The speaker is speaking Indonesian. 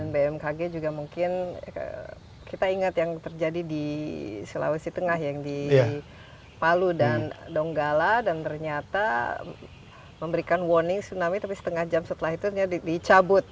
bmkg juga mungkin kita ingat yang terjadi di sulawesi tengah yang di palu dan donggala dan ternyata memberikan warning tsunami tapi setengah jam setelah itu dicabut